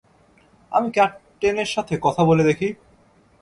আমি ক্যাপ্টেনের সাথে কথা বলে দেখি।